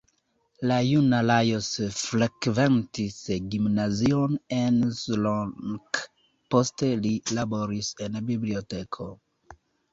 La juna Lajos frekventis gimnazion en Szolnok, poste li laboris en biblioteko.